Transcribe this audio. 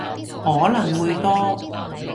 可能會多